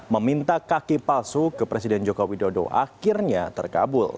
meminta kaki palsu ke presiden jokowi dodo akhirnya terkabul